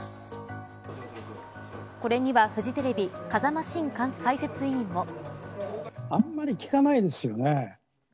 これにはフジテレビ風間晋解説委員も。